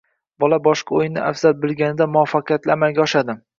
bola boshqa o‘yinni afzal bilganida muvaffaqiyatli amalga oshadi.